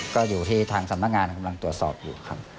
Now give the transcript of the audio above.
ก็อยู่ที่ทางสำนักงานกำลังตรวจสอบอยู่ครับ